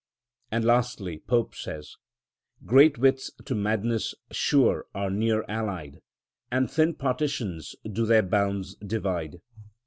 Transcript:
And, lastly, Pope says— "Great wits to madness sure are near allied, And thin partitions do their bounds divide."